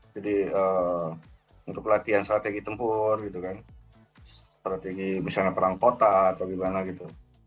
jadi untuk latihan strategi tempur strategi misalnya perang kota atau gimana gitu